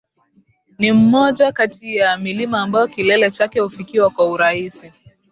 ni moja kati ya milima ambayo kilele chake hufikiwa kwa urahisi